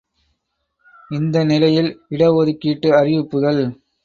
இந்த நிலையில் இட ஒதுக்கீட்டு அறிவிப்புகள்!